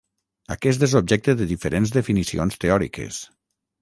Aquest és objecte de diferents definicions teòriques.